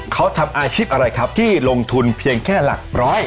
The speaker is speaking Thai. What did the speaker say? เขาทำอาชีพอะไรครับที่ลงทุนเพียงแค่หลักร้อย